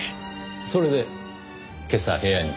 それで今朝部屋に？